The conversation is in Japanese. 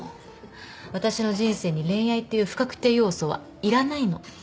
私の人生に恋愛っていう不確定要素はいらないの。